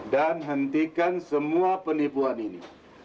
dan hentikan semua penipuan ini